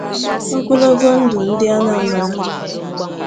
Ogologo ndụ Ndị Anambra!